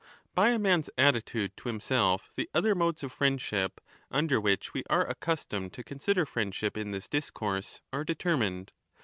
^^ By a man's attitude to himself tlie other modes of friend ship, under which we are accustomed to consider friendship in this discourse, are^ determined.